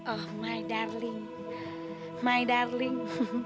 oh my darling my darling